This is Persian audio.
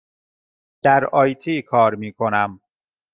در آی تی کار می کنم.